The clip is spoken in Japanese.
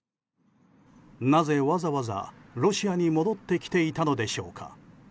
なぜ、わざわざロシアに戻ってきていたのでしょうか。